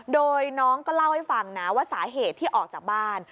โดยน้องก็เล่าให้ฟังนะว่าสาเหตุที่ออกจากบ้าน